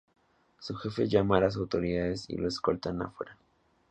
Su jefe llama a las autoridades y lo escoltan afuera.